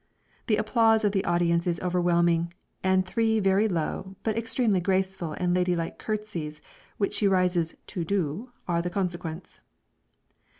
The applause of the audience is overwhelming, and three very low, but extremely graceful and lady like curtsies which she rises "to do," are the consequence.